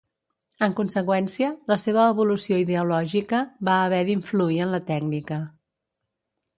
En conseqüència, la seva evolució ideològica va haver d'influir en la tècnica.